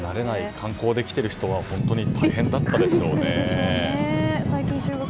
観光できている人は本当に大変だったでしょうね。